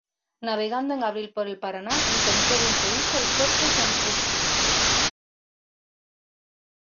Navegando en abril por el Paraná, encontró de improviso el fuerte Sancti Spiritu.